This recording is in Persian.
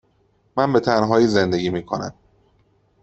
من به تنهایی زندگی می کنم.